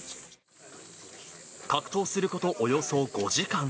格闘することおよそ５時間。